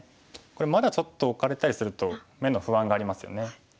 これまだちょっとオカれたりすると眼の不安がありますよね。